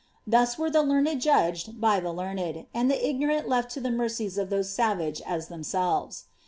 Thus were the learned judged by the learned, and the ignorant left to the mercies of those savage si themselves.